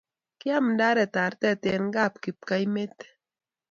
Kiam ndaret arte eng' kapkeimete